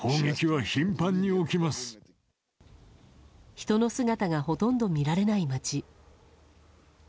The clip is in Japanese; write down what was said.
人の姿がほとんど見られない街。